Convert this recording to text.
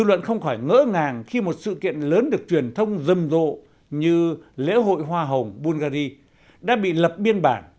dư luận không khỏi ngỡ ngàng khi một sự kiện lớn được truyền thông rầm rộ như lễ hội hoa hồng bulgari đã bị lập biên bản